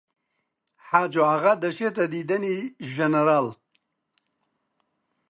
حاجۆ ئاغا دەچێتە دیدەنی ژنەراڵ